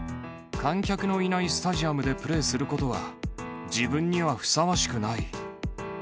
観客のいないスタジアムでプレーすることは、自分にはふさわしくない。